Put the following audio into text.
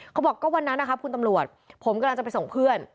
เขาบอกก็วันนั้นนะครับคุณตำรวจผมกำลังจะไปส่งเพื่อน